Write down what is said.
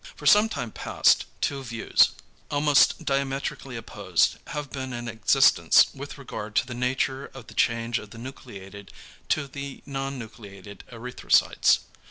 = For some time past two views, almost diametrically opposed, have been in existence with regard to the nature of the change of the nucleated to the non nucleated erythrocytes.